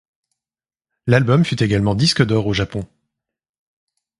L'album fut également disque d'or au Japon.